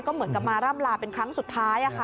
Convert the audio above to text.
เหมือนกับมาร่ำลาเป็นครั้งสุดท้าย